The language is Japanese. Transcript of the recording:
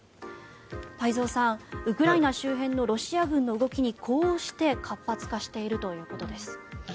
太蔵さん、ウクライナ周辺のロシア軍の動きに呼応して活発化しているということです。